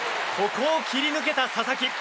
ここを切り抜けた佐々木。